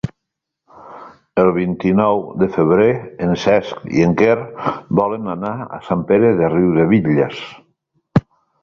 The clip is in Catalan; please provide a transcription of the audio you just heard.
El vint-i-nou de febrer en Cesc i en Quer volen anar a Sant Pere de Riudebitlles.